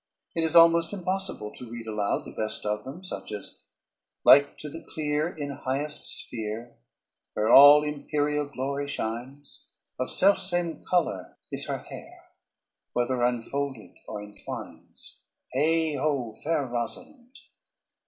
It is almost impossible to read aloud the best of them, such as, Like to the clear in highest sphere Where all imperial glory shines, Of selfsame color is her hair, Whether unfolded or in twines: Heigh ho, fair Rosalynde!